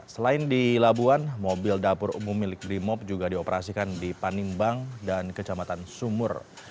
selain di labuan mobil dapur umum milik brimob juga dioperasikan di panimbang dan kecamatan sumur